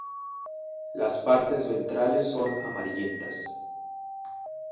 Las partes ventrales son amarillentas.